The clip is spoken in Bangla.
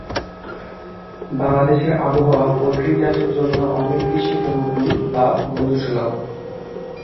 বাংলাদেশের আবহাওয়া পোল্ট্রি চাষের জন্য অনেক বেশি অনুকূল বা বন্ধুত্ব সুলভ।